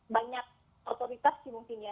banyak otoritas sih mungkin ya